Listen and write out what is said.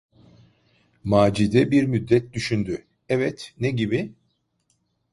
Macide bir müddet düşündü: Evet, ne gibi?